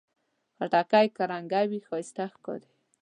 خټکی که رنګه وي، ښایسته ښکاري.